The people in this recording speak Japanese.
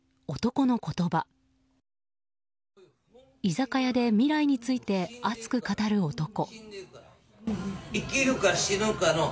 居酒屋で未来について熱く語る男。